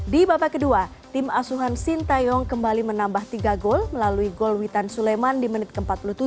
di babak kedua tim asuhan sintayong kembali menambah tiga gol melalui gol witan suleman di menit ke empat puluh tujuh